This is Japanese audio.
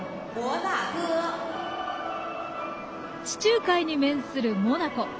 地中海に面するモナコ。